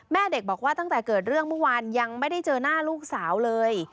แม่เด็กบอกว่าตั้งแต่เกิดเรื่องเมื่อวานยังไม่ได้เจอหน้าลูกสาวเลย